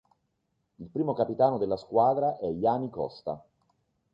Il primo capitano della squadra è Jani Kosta.